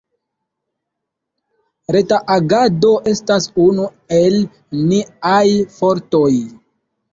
Reta agado estas unu el niaj fortoj.